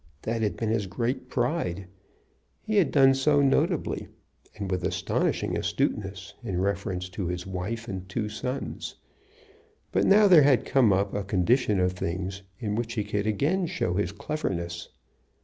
That had been his great pride. He had done so notably, and with astonishing astuteness, in reference to his wife and two sons. But now there had come up a condition of things in which he could again show his cleverness.